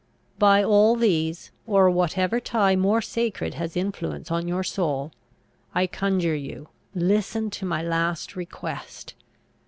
by all these, or whatever tie more sacred has influence on your soul, I conjure you, listen to my last request!